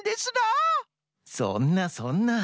そんなそんな。